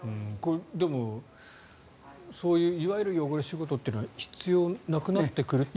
でも、そういういわゆる汚れ仕事っていうのは必要がなくなってくるという。